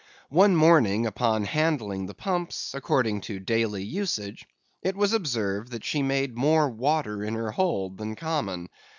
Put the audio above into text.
One morning upon handling the pumps, according to daily usage, it was observed that she made more water in her hold than common.